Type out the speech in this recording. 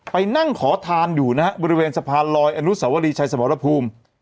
ไปนั่งขอทานอยู่นะฮะบริเวณสะพานลอยอนุสวรีชัยสมรภูมิ